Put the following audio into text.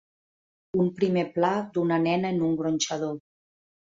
Un primer pla d'una nena en un gronxador.